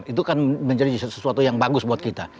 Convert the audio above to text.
itu kan menjadi sesuatu yang bagus buat kita